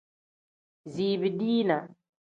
Ziibi-dinaa.